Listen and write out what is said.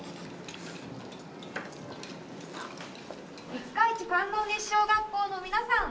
五日市観音西小学校の皆さん。